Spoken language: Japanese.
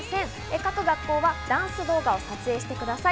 各学校はダンス動画を撮影してください。